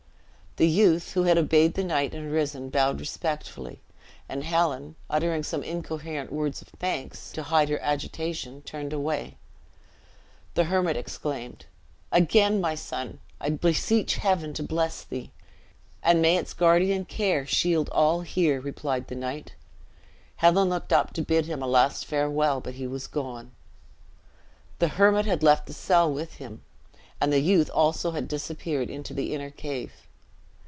The youth, who had obeyed the knight and risen, bowed respectfully; and Helen, uttering some incoherent words of thanks, to hide her agitation turned away. The hermit exclaimed, "Again, my son, I beseech Heaven to bless thee!" "And may its guardian care shield all here!" replied the knight. Helen looked up to bid him a last farewell but he was gone. The hermit had left the cell with him, and the youth also had disappeared into the inner cave.